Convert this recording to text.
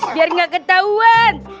biar nggak ketahuan